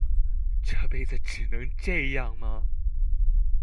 這輩子只能這樣嗎？